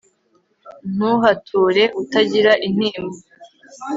ntuhature utagira intimba